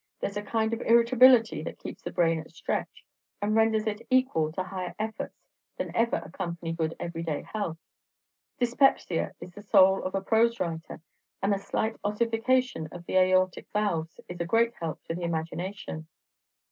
"There's a kind of irritability that keeps the brain at stretch, and renders it equal to higher efforts than ever accompany good everyday health. Dyspepsia is the soul of a prose writer, and a slight ossification of the aortic valves is a great help to the imagination."